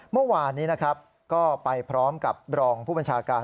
เมื่อวานนี้นะครับก็ไปพร้อมกับรองผู้บัญชาการ